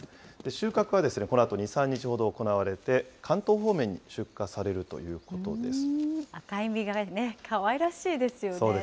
収穫はこのあと２、３日ほど行われて、関東方面に出荷されるとい赤い実がかわいらしいですよ